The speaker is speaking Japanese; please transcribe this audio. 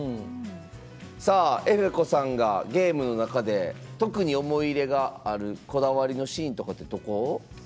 さあえふぇ子さんがゲームの中で特に思い入れがあるこだわりのシーンとかってどこ？